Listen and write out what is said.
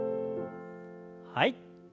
はい。